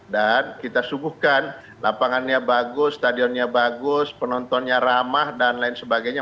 dan kita subuhkan lapangannya bagus stadionnya bagus penontonnya ramah dan lain sebagainya